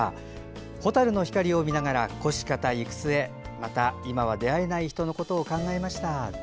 蛍の光を見ながら来し方、行く末また、今は出会えない人をいろいろ考えました。